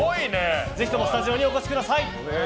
ぜひともスタジオにお越しください。